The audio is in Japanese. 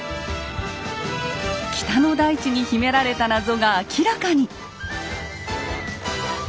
北の大地に秘められた謎が明らかに。